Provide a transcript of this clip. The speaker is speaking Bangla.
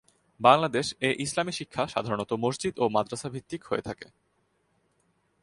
বাংলাদেশ এ ইসলামী শিক্ষা সাধারণত মসজিদ ও মাদ্রাসা ভিত্তিক হয়ে থাকে।